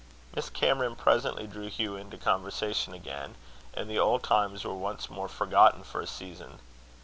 Miss Cameron presently drew Hugh into conversation again, and the old times were once more forgotten for a season.